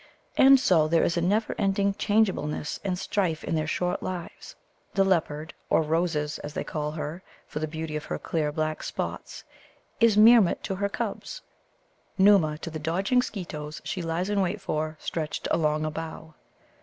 And so there is a never ending changeableness and strife in their short lives. The leopard (or Roses, as they call her, for the beauty of her clear black spots) is Meermut to her cubs, Nōōma to the dodging Skeetoes she lies in wait for, stretched along a bough.